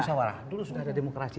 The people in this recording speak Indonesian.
musawarah dulu sudah ada demokrasi